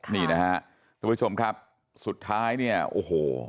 ทุกผู้ชมครับสุดท้ายเนี่ยโอ้โห